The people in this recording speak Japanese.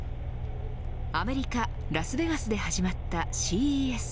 アメリカ、ラスベガスで始まったＣＥＳ。